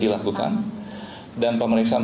dilakukan dan pemeriksaan